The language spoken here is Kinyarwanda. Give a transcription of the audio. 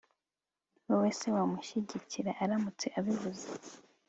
°wowe se wamushyigikira aramutse abivuze